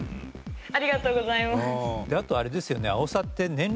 ありがとうございます。